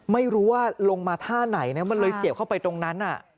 ไม่รู้ว่าลงมาท่าไหนนะมันเลยเสียบเข้าไปตรงนั้น